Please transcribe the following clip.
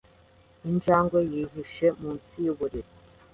Injangwe yihishe munsi yuburiri.